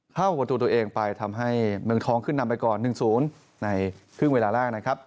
เข้าประตูตัวเองไปทำให้เมืองทองขึ้นนำไปก่อน๑๐ในครึ่งเวลาแรกนะครับ